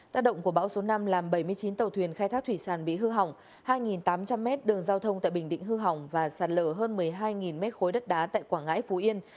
tác động của bão số năm làm bảy mươi chín tàu thuyền khai thác thủy sản bị hư hỏng hai tám trăm linh mét đường giao thông tại bình định hư hỏng và sạt lở hơn một mươi hai m ba đất đá tại quảng ngãi phú yên